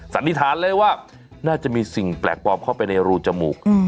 สันนิษฐานเลยว่าน่าจะมีสิ่งแปลกปลอมเข้าไปในรูจมูก